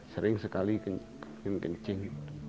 sering sekali ini kencing